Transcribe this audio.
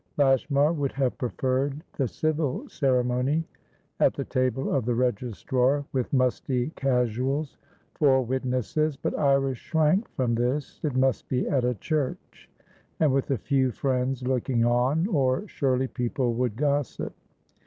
Lashmar would have preferred the civil ceremony, at the table of the registrar, with musty casuals for witnesses; but Iris shrank from this. It must be at a church, and with a few friends looking on, or surely people would gossip.